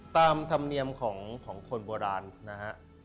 ตามธรรมเนียมของคนโบราณนะฮะ